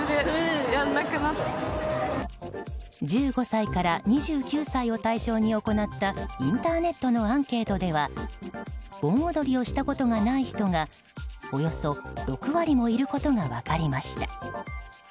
１５歳から２９歳を対象に行ったインターネットのアンケートでは盆踊りをしたことがない人がおよそ６割もいることが分かりました。